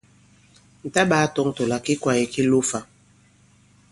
Ǹ ta-ɓāa-tɔ̄ŋ tɔ̀ là ki kwāye ki lo ifã.